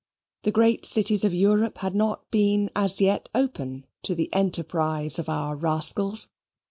The great cities of Europe had not been as yet open to the enterprise of our rascals.